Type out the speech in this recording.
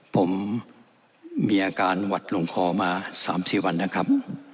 ผมมีอาการหวัดลงคอมา๓๔วันนะครับ